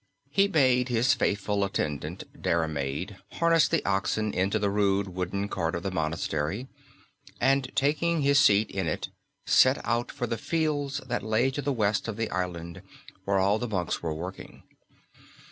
He bade his faithful attendant Diarmaid harness the oxen into the rude wooden cart of the monastery, and taking his seat in it set out for the fields that lay to the west of the island where all the monks were working.